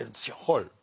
はい。